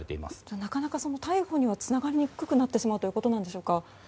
なかなか逮捕にはつながりにくくなってしまうということなんでしょうか。